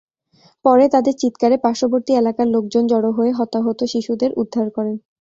পরে তাদের চিৎকারে পার্শ্ববর্তী এলাকার লোকজন জড়ো হয়ে হতাহত শিশুদের উদ্ধার করেন।